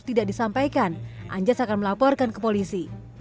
tidak disampaikan anja seakan melaporkan ke polisi